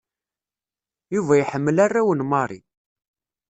Yuba yeḥmmel arraw n Marie.